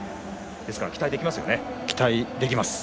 ですから、期待できますよね。